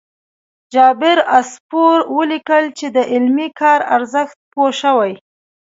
جابر عصفور ولیکل چې د علمي کار ارزښت پوه شوي.